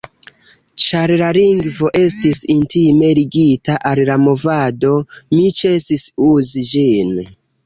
Ĉar la lingvo estis intime ligita al la movado, mi ĉesis uzi ĝin.